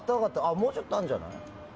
もうちょっとあるんじゃない？